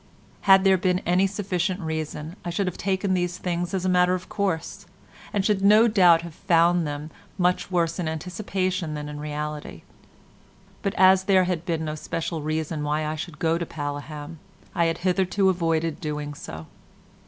Had there been any sufficient reason, I should have taken these things as a matter of course, and should no doubt have found them much worse in anticipation than in reality, but as there had been no special reason why I should go to Paleham I had hitherto avoided doing so.